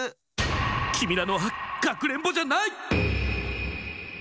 きみらのはかくれんぼじゃない！